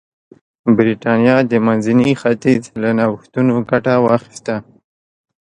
برېټانیا د منځني ختیځ له نوښتونو ګټه واخیسته.